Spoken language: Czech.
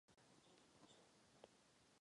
Takže máme ještě co dělat.